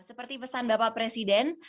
seperti pesan bapak presiden